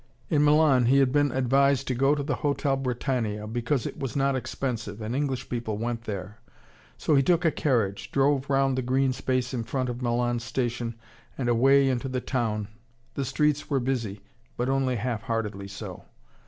In Milan he had been advised to go to the Hotel Britannia, because it was not expensive, and English people went there. So he took a carriage, drove round the green space in front of Milan station, and away into the town. The streets were busy, but only half heartedly so.